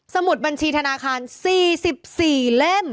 มุดบัญชีธนาคาร๔๔เล่ม